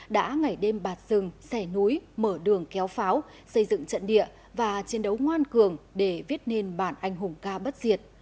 đã ngày đêm bạt rừng xẻ núi mở đường kéo pháo xây dựng trận địa và chiến đấu ngoan cường để viết nên bản anh hùng ca bất diệt